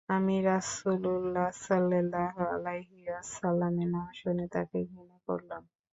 আমি রাসূলুল্লাহ সাল্লাল্লাহু আলাইহি ওয়াসাল্লামের নাম শুনে তাকে ঘৃণা করলাম।